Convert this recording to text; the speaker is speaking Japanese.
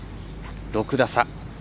６打差。